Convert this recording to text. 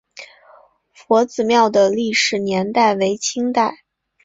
佛子庙的历史年代为清代。